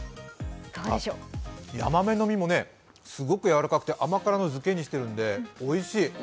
ヤマメの身もすごくやわらかくて甘辛の漬けにしてるんでおいしい！